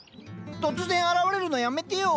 突然現れるのやめてよ。